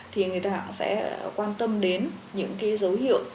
thì người ta sẽ quan tâm đến những cái dấu hiệu